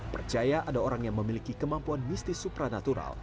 percaya ada orang yang memiliki kemampuan mistis supranatural